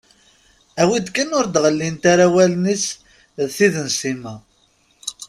Awi-d kan ur d-ɣellint ara wallen-is d tid n Sima.